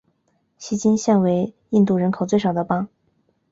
锡金现为印度人口最少的邦。